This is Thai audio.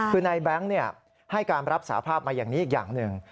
คือนายแบงค์ให้การรับสาภาพมาอย่างนี้อีกอย่างหนึ่ง